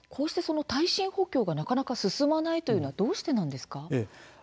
耐震補強がなかなか進まないのはどうしてなんですか。